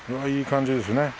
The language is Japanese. いい感じですね。